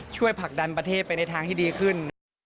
ผลักดันประเทศไปในทางที่ดีขึ้น